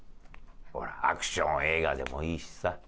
ほらアクション映画でもいいしさ。